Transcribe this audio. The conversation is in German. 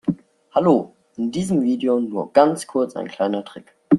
Hallo, in diesem Video nur ganz kurz ein kleiner Trick.